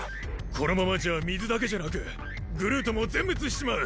このままじゃ水だけじゃなくグルートも全滅しちまう。